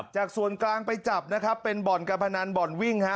จากส่วนกลางไปจับนะครับเป็นบ่อนการพนันบ่อนวิ่งฮะ